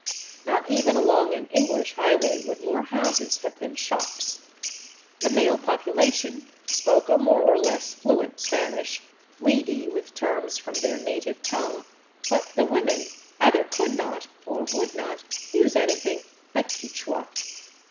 Not even along an English highway would more houses have been shops. The male population spoke a more or less fluent Spanish, weedy with terms from their native tongue; but the women either could not or would not use anything but Quichua.